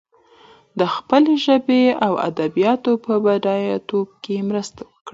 د خپلې ژبې او ادبياتو په بډايتوب کې مرسته وکړي.